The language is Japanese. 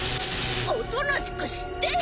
おとなしくしてよ！